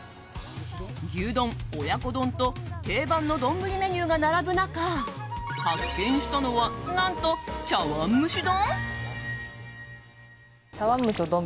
牛丼、親子丼と定番の丼メニューが並ぶ中発見したのは、何と茶わん蒸し丼？